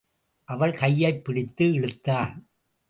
அவள் கையைப் பிடித்து இழுத்தான்.